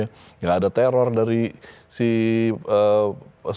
tidak ada teror dari si